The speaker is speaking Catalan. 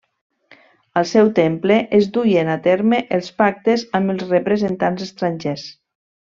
Al seu temple es duien a terme els pactes amb els representants estrangers.